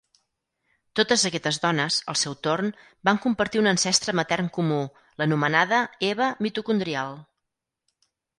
Totes aquestes dones, al seu torn, van compartir un ancestre matern comú, l'anomenada Eva mitocondrial.